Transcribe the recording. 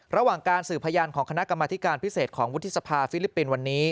ระหว่างการสื่อพยานของคณะกรรมธิการพิเศษของวุฒิสภาฟิลิปปินส์วันนี้